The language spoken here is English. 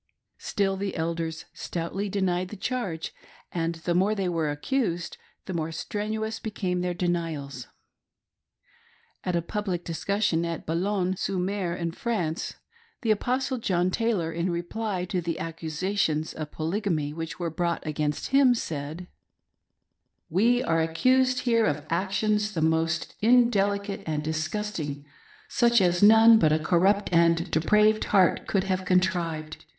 Still the elders stoutly denied the charge, and the more they were accused the more strenuous became their denials. At a public discussion at Boulogne sur mer in France, the Apostle John Taylor, in reply to the accusations of Polygamy which were brought against him, said :" We are accused here of actions the most indelicate and disgusting, such as none but a corrupt and depraved heart could have contrived.